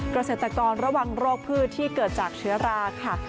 เกษตรกรระวังโรคพืชที่เกิดจากเชื้อราค่ะ